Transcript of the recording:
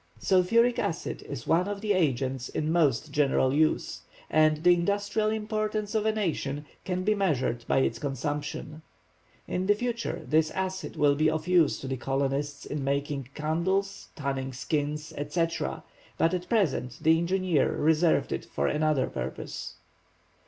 Sulphuric acid is one of the agents in most general use, and the industrial importance of a nation can be measured by its consumption. In the future this acid would be of use to the colonists in making candles, tanning skins, etc., but at present the engineer reserved it for another purpose.